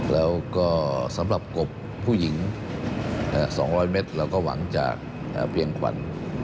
แล้วก็สำหรับกบผู้หญิง๒๐๐เมตรเราก็หวังจากเพียงขวัญ